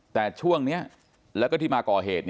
แต่ช่วงนี้แล้วก็ที่มาก่อเหตุ